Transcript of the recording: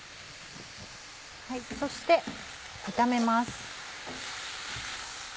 そして炒めます。